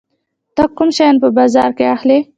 ته کوم شیان په بازار کې اخلي؟